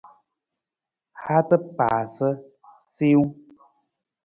Haata paasa siwung.